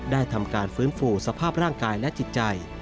ได้ทำการฟื้นฟูสภาพร่างกายและจิตใจ